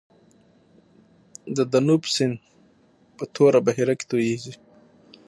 د دانوب سیند په توره بحیره کې تویږي.